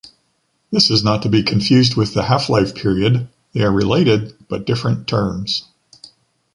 This is not to be confused with the half-life period; they are related but different terms.